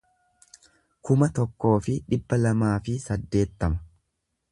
kuma tokkoo fi dhibba lamaa fi saddeettama